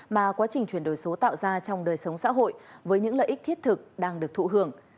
mà quá trình chuyển đổi số tạo ra trong đời sống xã hội với những lợi ích thiết thực đang được thụ hưởng